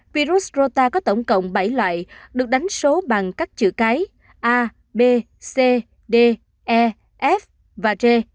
virus rota có tổng cộng bảy loại được đánh số bằng các chữ cái a b c de f và g